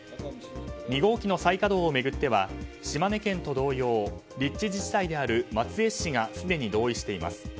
２号機の再稼働を巡っては島根県と同様立地自治体である松江市がすでに同意しています。